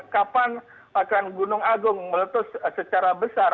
kapan akan gunung agung meletus secara besar